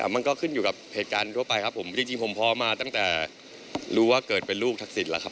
มันก็ขึ้นอยู่กับเหตุการณ์ทั่วไปครับผมจริงผมพอมาตั้งแต่รู้ว่าเกิดเป็นลูกทักษิณแล้วครับ